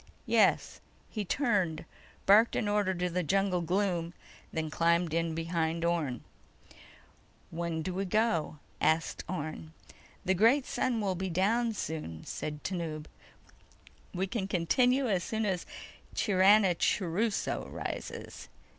"Yes." He turned, barked an order into the jungle gloom, then climbed in behind Orne. "When do we go?" asked Orne. "The great sun will be down soon," said Tanub. "We can continue as soon as Chiranachuruso rises."